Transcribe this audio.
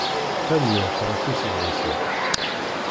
Tanemmirt ɣef usebɣes-ik.